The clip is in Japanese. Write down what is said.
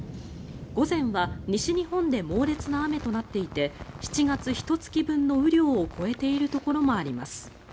午前は西日本で猛烈な雨となっていて７月ひと月分の雨量を超えているところもあります。